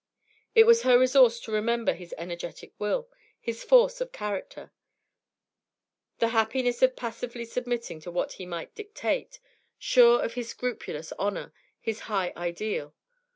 It was her resource to remember his energetic will, his force of character; the happiness of passively submitting to what he might dictate; sure of his scrupulous honour, his high ideal.